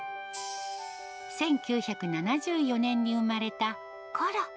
１９７４年に産まれたコロ。